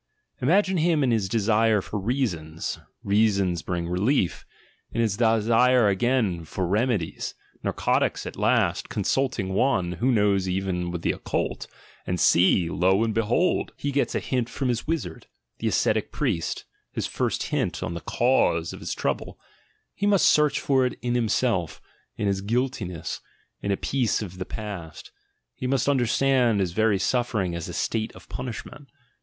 imagine him in his desire for reasons — reasons bring relief — in his desire again for remedies, narcotics at last, consulting one, who knows even the occult — and see, lo and behold, he gets a hint from his wizard, the ascetic priest, his first hint on the "cause" of his trouble: he must search for it /';/ liimselj, in his guiltiness, in a piece of the past, he must understand his very suffering as a state of punishment.